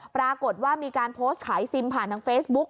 ปรากฏว่ามีการโพสต์ขายซิมผ่านทางเฟซบุ๊ก